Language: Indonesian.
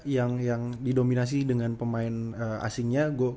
yang didominasi dengan pemain asingnya